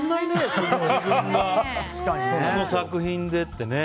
自分が、その作品でって。